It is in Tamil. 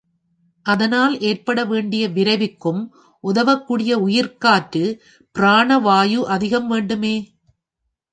அதனால் ஏற்பட வேண்டிய விரைவுக்கும் உதவக்கூடிய உயிர்க்காற்று பிராண வாயு அதிகம் வேண்டுமே!